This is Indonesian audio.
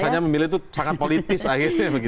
biasanya memilih itu sangat politis akhirnya